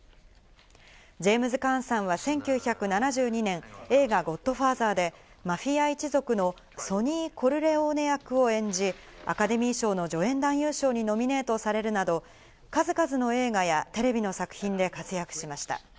ジェームズ・カーンさんは１９７２年、映画『ゴッドファーザー』でマフィア一族のソニー・コルレオーネ役を演じ、アカデミー賞の助演男優賞にノミネートされるなど、数々の映画やテレビの作品で活躍しました。